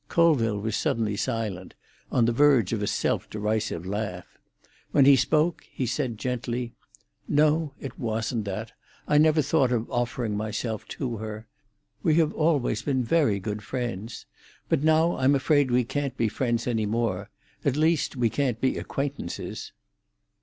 Colville was suddenly silent, on the verge of a self derisive laugh. When he spoke, he said gently: "No; it wasn't that. I never thought of offering myself to her. We have always been very good friends. But now I'm afraid we can't be friends any more—at least we can't be acquaintances."